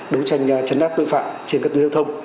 đấu tranh chấn áp tội phạm trên các tù hiệu thông